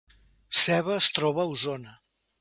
Seva es troba a Osona